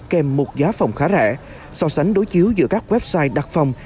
kèm một giá phòng khá rẻ so sánh đối chiếu giữa các website đặt phòng